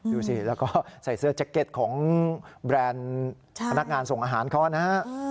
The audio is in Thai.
ดูสิแล้วก็ใส่เสื้อแจ็คเก็ตของแบรนด์พนักงานส่งอาหารเขานะฮะ